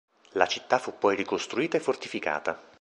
La città fu poi ricostruita e fortificata.